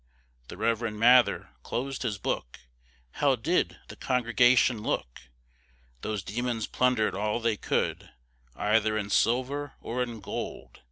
The reverend Mather closed his book, How did the congregation look! Those demons plunder'd all they could, Either in silver or in gold.